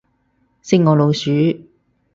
識我老鼠